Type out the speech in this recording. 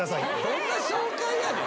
どんな紹介やねん。